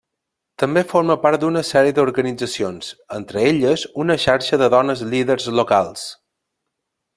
També forma part d'una sèrie d'organitzacions, entre elles una xarxa de dones líders locals.